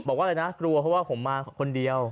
บอกว่าอะไรนะกลัวเพราะว่าผมมาคนเดียว